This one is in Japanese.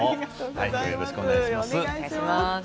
よろしくお願いします。